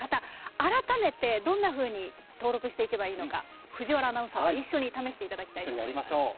改めて、どんなふうに登録していけばいいのか藤原アナウンサーと一緒に試していただきたいと思います。